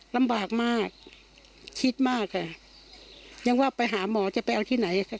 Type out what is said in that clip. ลำบากมากคิดมากค่ะยังว่าไปหาหมอจะไปเอาที่ไหนค่ะ